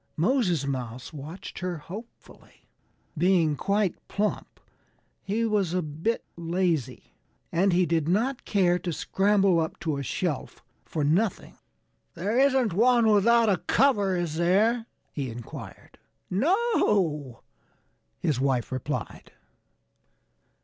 Moses Mouse watched her hopefully. Being quite plump, he was a bit lazy. And he did not care to scramble up to a shelf for nothing. "There isn't one without a cover, is there?" he inquired. "No!" his wife replied.